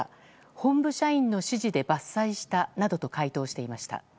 本部社員の指示で伐採したなどと回答していました。